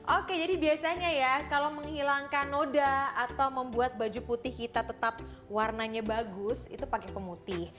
oke jadi biasanya ya kalau menghilangkan noda atau membuat baju putih kita tetap warnanya bagus itu pakai pemutih